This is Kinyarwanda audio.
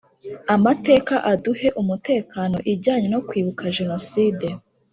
Amateka aduhe umutekano ijyanye no kwibuka Jenoside